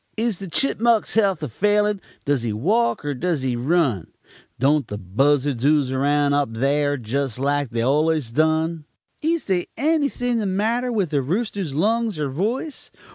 Is the chipmuck's health a failin'? Does he walk, er does he run? Don't the buzzards ooze around up thare jest like they've allus done? Is they anything the matter with the rooster's lungs er voice?